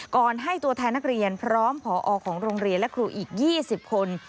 ก่อนให้ตัวแทนนักเรียนพร้อมผอของโรงเรียนและครูอีก๒๐คน